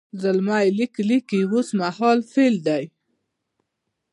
زلمی لیک لیکي اوس مهال فعل دی.